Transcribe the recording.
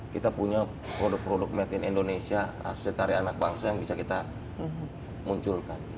kita punya produk produk made in indonesia setara anak bangsa yang bisa kita munculkan